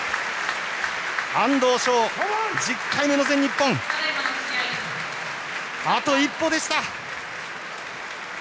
安藤翔、１０回目の全日本あと一歩でした。